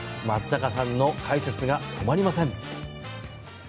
松坂さんの解説が止まりません。